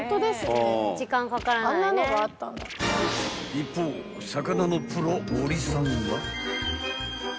［一方魚のプロ森さんは？］